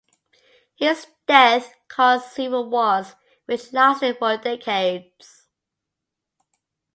His death caused civil wars which lasted for decades.